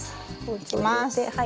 いきます。